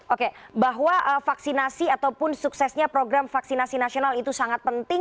oke bahwa vaksinasi ataupun suksesnya program vaksinasi nasional itu sangat penting